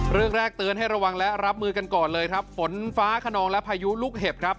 เรื่องแรกเตือนให้ระวังและรับมือกันก่อนเลยครับฝนฟ้าขนองและพายุลูกเห็บครับ